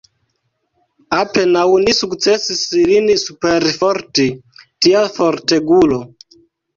Apenaŭ ni sukcesis lin superforti, tia fortegulo!